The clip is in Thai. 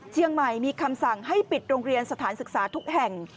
เชียงใหม่มีคำสั่งให้ปิดโรงเรียนสถานศึกษาทุกแห่ง